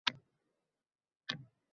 Soliq qo‘mitasi holatga munosabat bildirdi